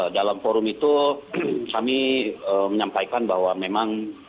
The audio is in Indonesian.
dalam forum itu kami menyampaikan bahwa memang